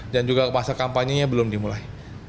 dan juga masa kampanye belum dimulai